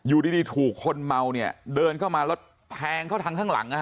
อยู่ดีถูกคนเมาเนี่ยเดินเข้ามาแล้วแทงเข้าทางข้างหลัง